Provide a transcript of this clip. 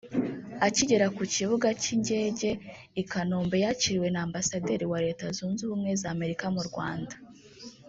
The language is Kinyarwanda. Akigera ku kibuga cy’Ingege i Kanombe yakiriwe na Ambasaderi wa Leta Zunze Ubumwe za Amerika mu Rwanda